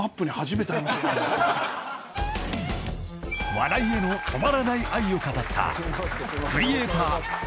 ［笑いへの止まらない愛を語ったクリエーター］